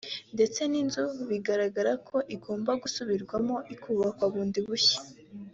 ndetse n’inzu bizagaragara ko igomba gusubirwamo ikubakwa bundi bushya